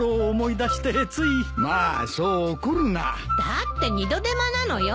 だって二度手間なのよ。